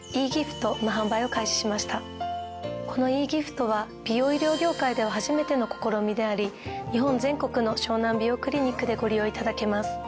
このｅギフトは美容医療業界では初めての試みであり日本全国の湘南美容クリニックでご利用いただけます。